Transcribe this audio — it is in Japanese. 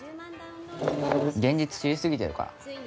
現実知りすぎてるから。